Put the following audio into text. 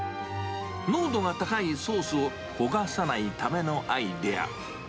濃度が高いソースを焦がさないためのアイデア。